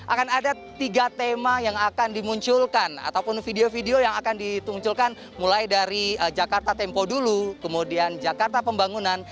akan ada tiga tema yang akan dimunculkan ataupun video video yang akan dimunculkan mulai dari jakarta tempo dulu kemudian jakarta pembangunan